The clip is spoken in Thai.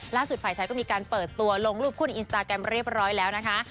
ฝ่ายชายก็มีการเปิดตัวลงรูปคู่ในอินสตาแกรมเรียบร้อยแล้วนะคะ